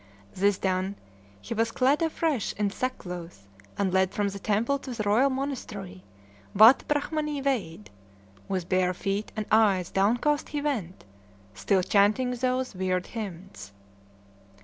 This done, he was clad afresh in sackcloth, and led from the temple to the royal monastery, Watt Brahmanee Waid; with bare feet and eyes downcast he went, still chanting those weird hymns.